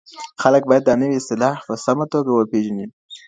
خلګ باید دا نوې اصطلاح په سمه توګه وپېژني.